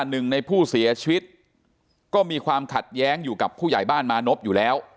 หนึ่งในผู้เสียชีวิตก็มีความขัดแย้งอยู่กับผู้ใหญ่บ้านมานพอยู่แล้ว